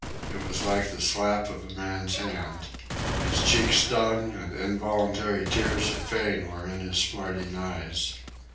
It was like the slap of a man's hand. His cheeks stung, and involuntary tears of pain were in his smarting eyes.